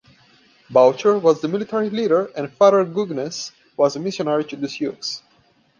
Boucher was the military leader and Father Guignas was a missionary to the Sioux.